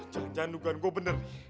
jangan jangan dugaan gue bener